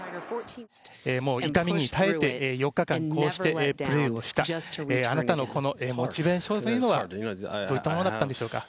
痛みに耐えて４日間、こうしてプレーをしたあなたのこのモチベーションというのはどういったものだったんでしょうか？